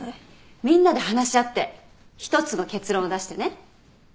みんなで話し合って１つの結論を出してね。